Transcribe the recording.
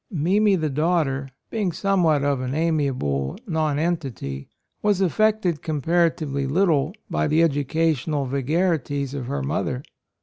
Mimi, the daughter, being somewhat of an amiable non entity, was affected compara AND MOTHER. 21 tively little by the educational vagaries of her mother.